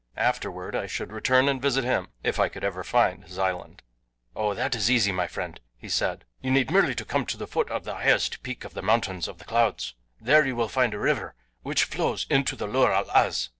Afterward I should return and visit him if I could ever find his island. "Oh, that is easy, my friend," he said. "You need merely to come to the foot of the highest peak of the Mountains of the Clouds. There you will find a river which flows into the Lural Az.